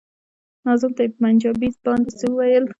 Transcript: ناظم ته يې په پنجابي باندې څه ويل.